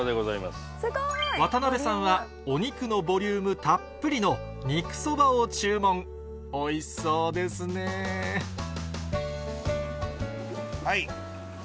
渡辺さんはお肉のボリュームたっぷりのを注文おいしそうですねはい。